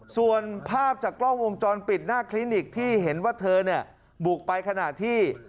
ส่วนภาพจากกล้องวงจรปิดหน้าคลินิกที่เห็นว่าเธอเนี่ยบุกไปขณะที่